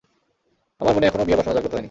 আমার মনে এখনও বিয়ের বাসনা জাগ্রত হয়নি।